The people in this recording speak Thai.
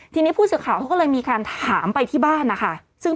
ทีนี้ผู้สื่อข่าวเขาก็เลยมีการถามไปที่บ้านนะคะ